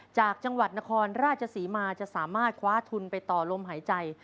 จากจังหวัดนครราชศรีมาจะสามารถคว้าทุนไปต่อลมหายใจ